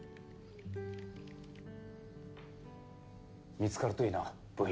見つかるといいな部員。